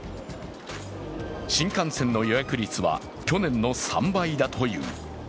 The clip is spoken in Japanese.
新幹線の予約率は去年の３倍だという。